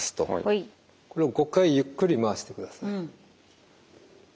これを５回ゆっくり回してください。